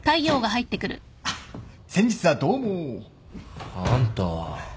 先日はどうも。あんたは。